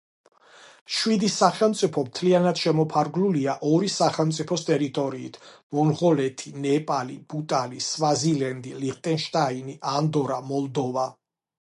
შვიდი სახელმწიფო მთლიანად შემოფარგლულია ორი სახელმწიფოს ტერიტორიით: მონღოლეთი, ნეპალი, ბჰუტანი, სვაზილენდი, ლიხტენშტაინი, ანდორა, მოლდოვა.